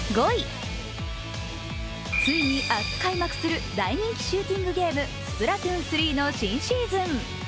ついに明日開幕する大人気シューティングゲーム「スプラトゥーン３」の新シーズン。